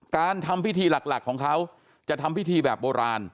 การทำพิธีหลักของเขาจะทำพิธีแบบโบราณ